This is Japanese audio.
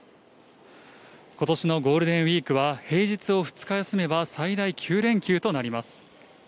ことしのゴールデンウィークは、平日を２日休めば最大９連休となります。